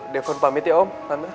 defon pamit ya om